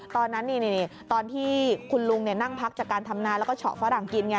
ตอนที่คุณลุงนั่งพักจากการทำงานแล้วก็เฉาะฝรั่งกินไง